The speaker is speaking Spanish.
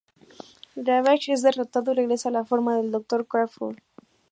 Ravage es derrotado y regresa a la forma del Dr. Crawford.